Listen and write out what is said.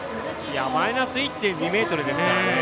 マイナス１．２メートルですからね。